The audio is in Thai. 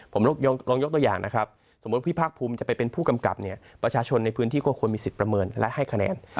ผมลองยกตัวอย่างนะครับสมมุติพี่ภาคภูมิจะไปเป็นผู้กำกับเนี่ยประชาชนในพื้นที่ก็ควรมีสิทธิ์ประเมินและให้คะแนน